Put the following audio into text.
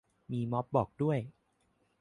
มีม็อบบอกด้วย